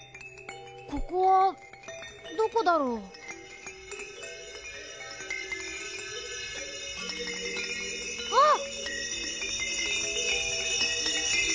ここはどこだろう？あっ！